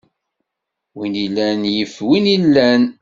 Win illan yif win ilan.